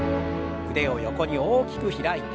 腕を横に大きく開いて。